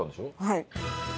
はい。